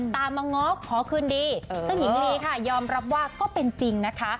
ตามมาง้อขอคืนดีซึ่งหญิงลีค่ะยอมรับว่าก็เป็นจริงนะคะ